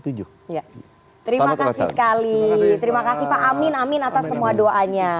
terima kasih sekali terima kasih pak amin amin atas semua doanya